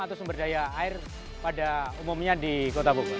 atau sumber daya air pada umumnya di kota bogor